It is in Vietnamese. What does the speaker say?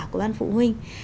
của ban phụ huynh